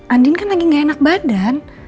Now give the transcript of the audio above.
andin kan lagi gak enak badan